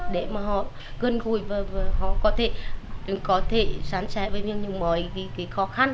để mà họ gần gùi và họ có thể sáng trải với những mọi khó khăn